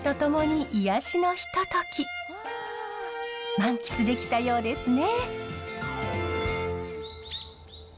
満喫できたようですね。